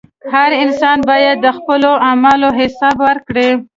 • هر انسان باید د خپلو اعمالو حساب ورکړي.